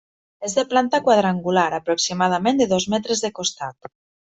És de planta quadrangular aproximadament de dos metres de costat.